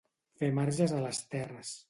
Fer marges a les terres.